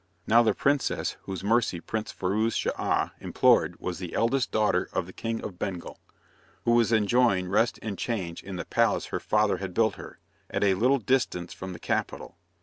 Now the princess whose mercy Prince Firouz Schah implored was the eldest daughter of the King of Bengal, who was enjoying rest and change in the palace her father had built her, at a little distance from the capital.